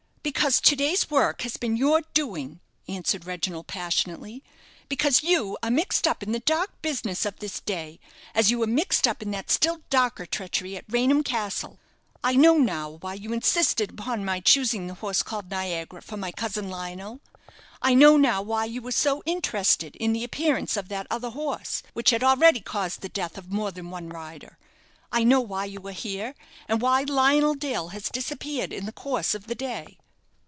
"Because to day's work has been your doing," answered Reginald, passionately; "because you are mixed up in the dark business of this day, as you were mixed up in that still darker treachery at Raynham Castle. I know now why you insisted upon my choosing the horse called 'Niagara' for my cousin Lionel; I know now why you were so interested in the appearance of that other horse, which had already caused the death of more than one rider; I know why you are here, and why Lionel Dale has disappeared in the course of the day."